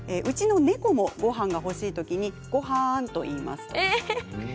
うちの猫もごはんが欲しいときにごはんと言います。